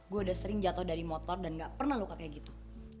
gue udah sering jatuh dari motor dan gak pernah luka kayak gitu